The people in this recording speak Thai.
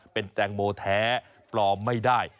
เป็นแตงโมแท้ปลอมไม่ได้